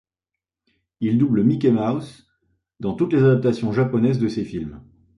Il double Mickey Mouse dans toutes les adaptations japonaises de ses films.